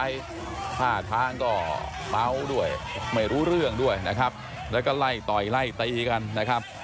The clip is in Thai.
แล้วก็ไล่ต่อยไล่ตะอีกกันนะครับ